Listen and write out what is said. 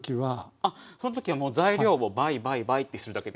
あっその時はもう材料を倍倍倍ってするだけです。